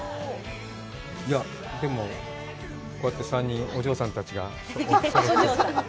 でも、こうやって３人、お嬢さんたちがそろって。